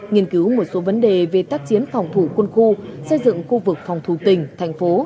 nghiên cứu một số vấn đề về tác chiến phòng thủ quân khu xây dựng khu vực phòng thủ tỉnh thành phố